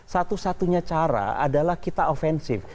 satu satunya cara adalah kita ofensif